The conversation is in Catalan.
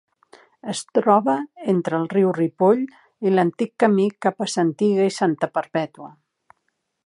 Es troba entre el riu Ripoll i l'antic camí cap a Santiga i Santa Perpètua.